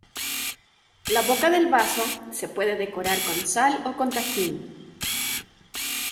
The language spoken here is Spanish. La boca del vaso se puede decorar con sal o con tajín.